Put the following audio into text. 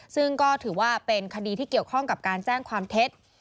ซึ่งก็ถือว่าเป็นคดีที่เกี่ยวข้องกับการแจ้งความเท็จ